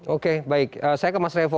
oke baik saya ke mas revo